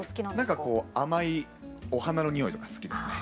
甘いお花の匂いとか好きですね。